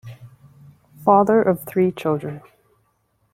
Father of three children.